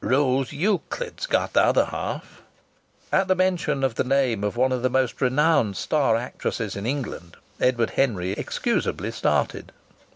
"Rose Euclid's got the other half." At the mention of the name of one of the most renowned star actresses in England, Edward Henry excusably started.